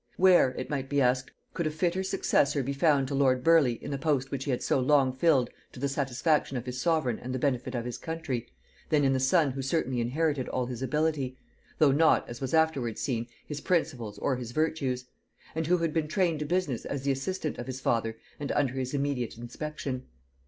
Where, it might be asked, could a fitter successor be found to lord Burleigh in the post which he had so long filled to the satisfaction of his sovereign and the benefit of his country, than in the son who certainly inherited all his ability; though not, as was afterwards seen, his principles or his virtues; and who had been trained to business as the assistant of his father and under his immediate inspection?